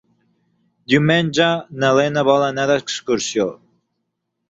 Diumenge na Lena vol anar d'excursió.